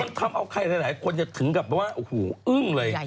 จนทำเอาไข่หลายคนจะถึงกลับว่าโอ้โหอึ้งเลย